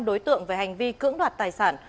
năm đối tượng về hành vi cưỡng đoạt tài sản